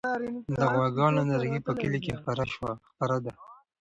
د غواګانو ناروغي په کلي کې خپره ده.